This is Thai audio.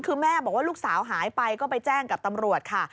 คือแม่บอกว่าลูกสาวหายไปก็ไปแจ้งกับตำรวจค่ะ